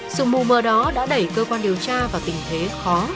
sự mù mờ đó đã đẩy cơ quan điều tra vào tình thế khó